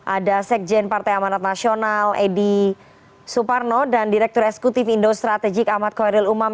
ada sekjen partai amanat nasional edi suparno dan direktur eksekutif indo strategik ahmad khoirul umam